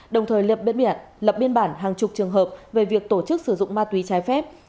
đồng thời lập biên bản hàng chục trường hợp về việc tổ chức sử dụng ma túy trái phép